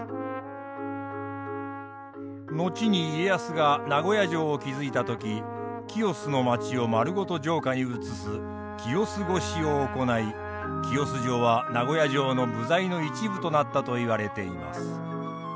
後に家康が名古屋城を築いた時清須の街を丸ごと城下に移す清須越を行い清洲城は名古屋城の部材の一部となったといわれています。